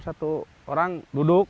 satu orang duduk